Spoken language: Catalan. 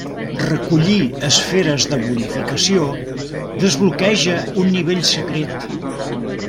Recollir esferes de bonificació desbloqueja un nivell secret.